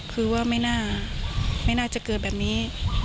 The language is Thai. คือว่าไม่น่าจะเกิดแบบนี้